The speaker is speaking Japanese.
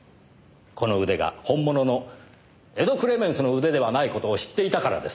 この腕が本物の『エド・クレメンスの腕』ではない事を知っていたからです。